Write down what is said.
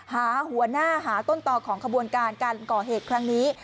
หาหัวหน้าหาต้นต่อของขบวนการการก่อเหตุครั้งนี้